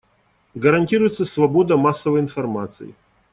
Гарантируется свобода массовой информации.